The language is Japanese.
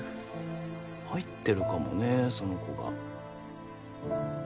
入ってるかもねその子が。